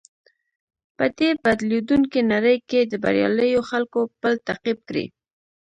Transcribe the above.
په دې بدليدونکې نړۍ کې د برياليو خلکو پل تعقيب کړئ.